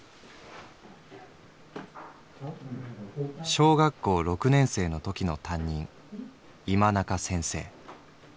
「小学校六年生のときの担任今中先生」。